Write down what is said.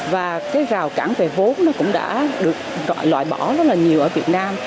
và rào cản về vốn cũng đã được loại bỏ rất nhiều ở việt nam